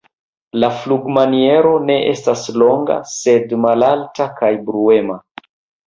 La flugmaniero ne estas longa, sed malalta kaj bruema.